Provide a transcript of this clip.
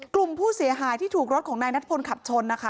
กลุ่มผู้เสียหายที่ถูกรถของนายนัทพลขับชนนะคะ